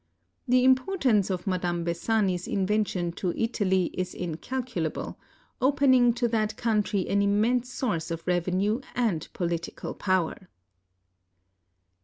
The importance of Madame Bessani's invention to Italy is incalculable, opening to that country an immense source of revenue and political power.